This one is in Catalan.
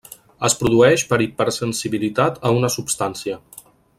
Es produeix per hipersensibilitat a una substància.